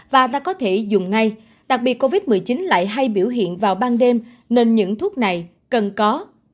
và ta có thể dùng ngay đặc biệt covid một mươi chín lại hay biểu hiện vào ban đêm nên những thuốc này cần có